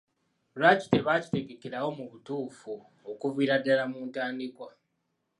Lwaki tebakitegekerawo mu butuufu okuviira ddaala mu ntandikwa?